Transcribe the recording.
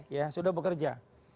ya sudah bekerja